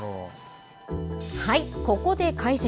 はい、ここで解説。